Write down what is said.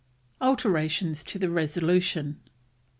ALTERATIONS TO THE RESOLUTION.